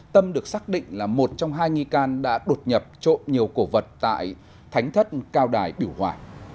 tâm được xác định là một trong hai nghi can đã đột nhập trộm nhiều cổ vật tại thánh thất cao đài biểu hòa